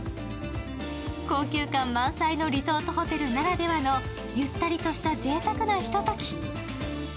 高級感満載のリゾートホテルならではのゆったりとしたぜいたくなひととき。